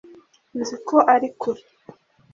nzi ko ari kure